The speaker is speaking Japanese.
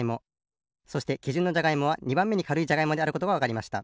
そしてきじゅんのじゃがいもは２ばんめにかるいじゃがいもであることがわかりました。